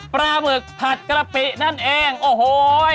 ปลาหมึกผัดกะปินั่นเองโอ้โห